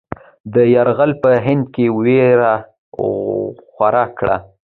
دا یرغل په هند کې وېره خوره کړه.